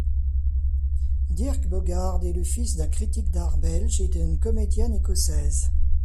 Dirk Bogarde est le fils d'un critique d'art belge et d'une comédienne écossaise.